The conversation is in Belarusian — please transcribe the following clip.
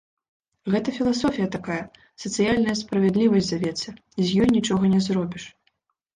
Гэта філасофія такая, сацыяльная справядлівасць завецца, з ёй нічога не зробіш.